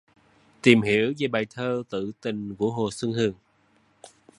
Tìm hiểu về bài thơ Tự Tình của Hồ Xuân Hương